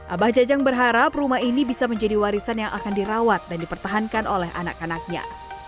abah jajang berharap rumah ini bisa menjadi warisan yang akan dirawat dan dipertahankan oleh anak anaknya